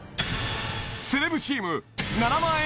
セレブチーム７万円